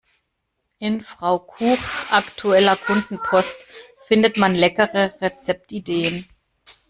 In Frau Kuchs aktueller Kundenpost findet man leckere Rezeptideen.